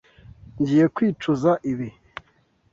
Ngiye kwicuza ibi.